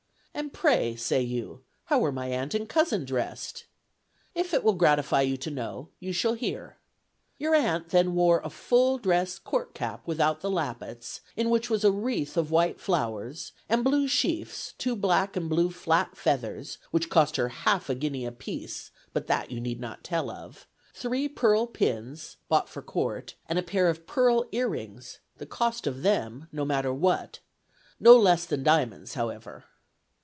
'And pray,' say you, 'how were my aunt and cousin dressed?' If it will gratify you to know, you shall hear. Your aunt then wore a full dress court cap without the lappets, in which was a wreath of white flowers, and blue sheafs, two black and blue flat feathers (which cost her half a guinea a piece, but that you need not tell of), three pearl pins, bought for Court, and a pair of pearl ear rings, the cost of them no matter what; no less than diamonds, however.